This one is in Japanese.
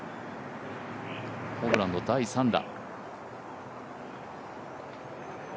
ホブランド、第３打。